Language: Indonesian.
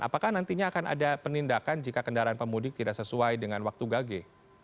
apakah nantinya akan ada penindakan jika kendaraan pemudik tidak sesuai dengan waktu gage